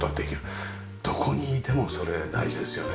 どこにいてもそれ大事ですよね。